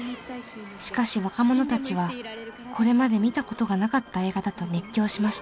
しかし若者たちはこれまで見た事がなかった映画だと熱狂しました。